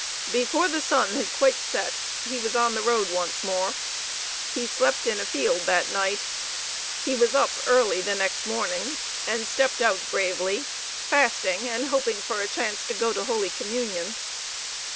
Before the sun had quite set, he was on the road once more. He slept in a field that night. He was up early the next morning, and stepped out bravely, fasting, and hoping for a chance to go to Holy Communion.